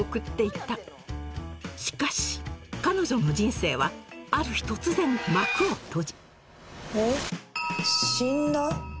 しかし彼女の人生はある日突然幕を閉じん？